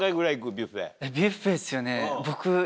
ビュッフェですよね僕。